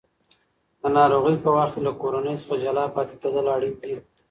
د ناروغۍ په وخت کې له کورنۍ څخه جلا پاتې کېدل اړین دي.